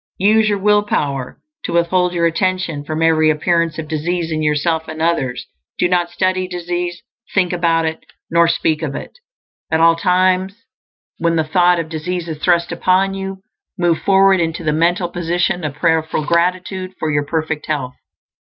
Use your will power to withhold your attention from every appearance of disease in yourself and others; do not study disease, think about it, nor speak of it. At all times, when the thought of disease is thrust upon you, move forward into the mental position of prayerful gratitude for your perfect health.